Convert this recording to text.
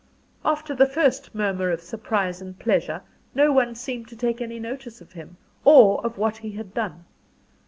After the first murmur of surprise and pleasure no one seemed to take any notice of him, or of what he had done.